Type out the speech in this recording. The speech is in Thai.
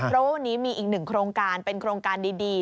เพราะว่าวันนี้มีอีกหนึ่งโครงการเป็นโครงการดี